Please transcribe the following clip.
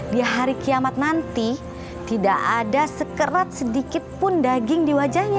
di hari kiamat nanti tidak ada sekerat sedikitpun daging di wajahnya